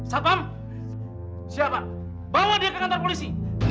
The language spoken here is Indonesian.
satpam siapa bawa dia ke kantor polisi